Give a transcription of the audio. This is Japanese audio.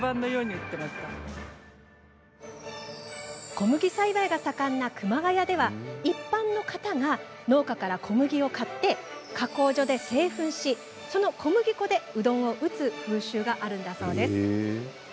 小麦栽培が盛んな熊谷では一般の方が農家から小麦を買って加工所で製粉しその小麦粉でうどんを打つ風習があるんだそうです。